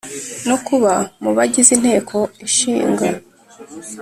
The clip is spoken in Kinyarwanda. No kuba mu bagize inteko ishinga